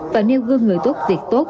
và nêu gương người tốt việc tốt